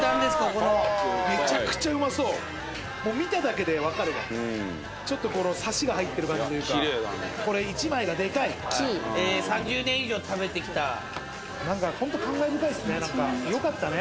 ここのめちゃくちゃうまそうもう見ただけで分かるわちょっとこのサシが入ってる感じというかこれ１枚がデカい３０年以上食べてきた何かホント感慨深いっすねよかったね